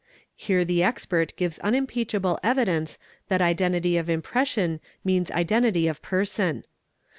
Here the expert gives unimpeachable evidence that identity of impression means identity of person.